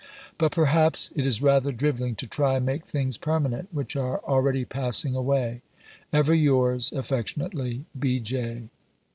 But perhaps it is rather drivelling to try and make things permanent which are already passing away. Ever yours affectionately, B. J."